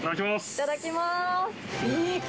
いただきまーす。